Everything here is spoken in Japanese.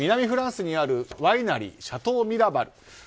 フランスにあるワイナリーシャトー・ミラバル。